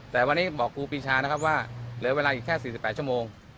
แต่วันนี้บอกครูปีชานะครับว่าเหลือเวลาอีกแค่๔๘ชั่วโมง